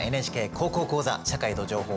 「ＮＨＫ高校講座社会と情報」。